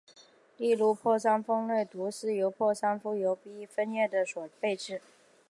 例如破伤风类毒素是由破伤风梭菌分泌的所制备。